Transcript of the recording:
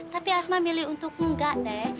tapi asma milih untuk enggak deh